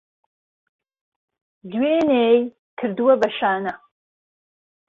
دوێنێی کردوە بە شانە